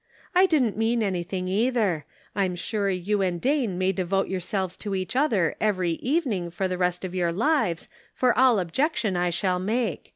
I didn't mean anything either ; I'm sure you and Dane may devote yourselves to each other every evening for the rest of your lives, for all objection I shall make.